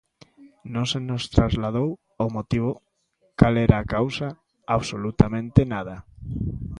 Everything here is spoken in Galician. Non se nos trasladou o motivo, cal era a causa; absolutamente nada.